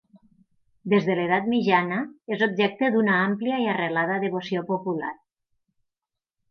Des de l'edat mitjana és objecte d'una àmplia i arrelada devoció popular.